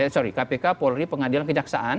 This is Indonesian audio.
sorry kpk polri pengadilan kejaksaan